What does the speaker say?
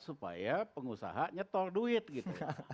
supaya pengusaha nyetor duit gitu